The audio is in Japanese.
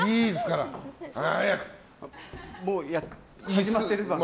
始まってるから！